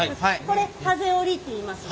これハゼ折りっていいます。